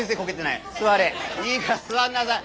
いいから座んなさい。